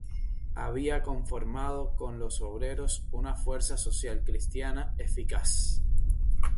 Había conformado con los obreros, una fuerza social-cristiana eficaz.